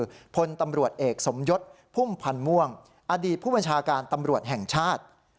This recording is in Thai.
คือพลตำรวจเอกสมยศพุ่มพันธ์ม่วงอดีตผู้บัญชาการตำรวจแห่งชาติ